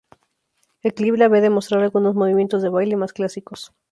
El clip la ve demostrar algunos movimientos de baile más clásicos.